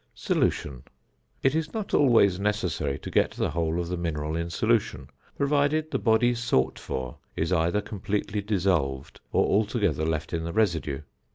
~Solution.~ It is not always necessary to get the whole of the mineral in solution, provided the body sought for is either completely dissolved or altogether left in the residue.